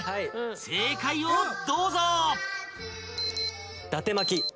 ［正解をどうぞ！］